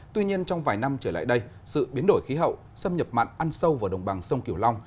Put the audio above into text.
tuy nhiên trong vài năm trở lại đây sự biến đổi khí hậu xâm nhập mặn ăn sâu vào đồng bằng sông kiểu long